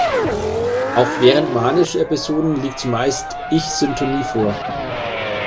Auch während manischer Episoden liegt zumeist Ich-Syntonie vor.